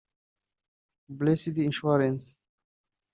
Blessed assurance